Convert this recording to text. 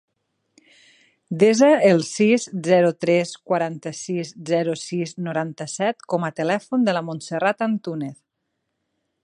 Desa el sis, zero, tres, quaranta-sis, zero, sis, noranta-set com a telèfon de la Montserrat Antunez.